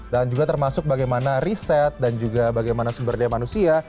dan juga termasuk bagaimana riset dan juga bagaimana sumber daya manusia